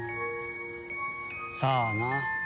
さあな。